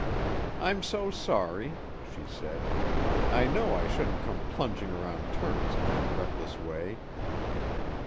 "I'm so sorry!" she said. "I know I shouldn't come plunging around turns in that reckless way.